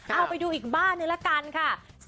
เอาไปดูอีกบ้านนึงละกันค่ะ